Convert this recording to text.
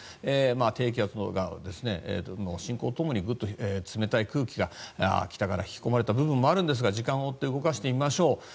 低気圧の進行と共にぐっと冷たい空気が北から引き込まれた部分もあるんですが、時間を追って動かしてみましょう。